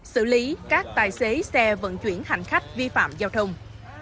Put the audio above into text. xử lý các tài xế xe vận chuyển hành khách vi phạm giao thông